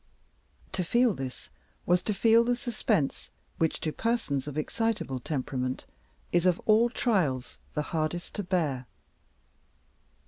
To feel this was to feel the suspense which, to persons of excitable temperament, is of all trials the hardest to bear.